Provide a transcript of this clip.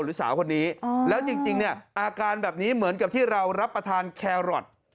สาวคนนี้แล้วจริงเนี่ยอาการแบบนี้เหมือนกับที่เรารับประทานแครอท